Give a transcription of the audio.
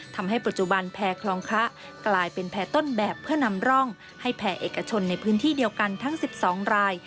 ทำให้ปัจจุบันแพร่คลองคะกลายเป็นแพร่ต้นแบบเพื่อนำร่องให้แผ่เอกชนในพื้นที่เดียวกันทั้ง๑๒ราย